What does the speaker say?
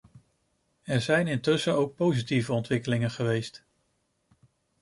Er zijn intussen ook positieve ontwikkelingen geweest.